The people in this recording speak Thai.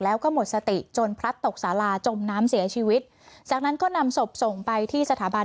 แล้วก็หมดสติจนพลัดตกสาราจมน้ำเสียชีวิตจากนั้นก็นำศพส่งไปที่สถาบัน